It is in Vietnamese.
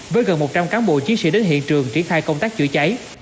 với gần một trăm linh cán bộ chiến sĩ đến hiện trường triển khai công tác chữa cháy